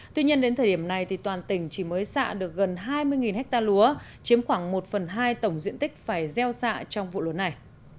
tuy nhiên đến thời điểm này toàn tỉnh chỉ mới xạ được gần hai mươi ha lúa chiếm khoảng một phần hai tổng diện tích phải gieo xạ trong vụ lúa này